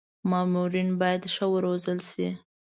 مامورین باید ښه و روزل شي.